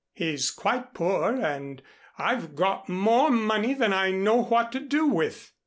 He's quite poor and I've got more money than I know what to do with.